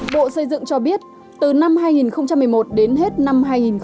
bộ xây dựng cho biết từ năm hai nghìn một mươi một đến hết năm hai nghìn một mươi chín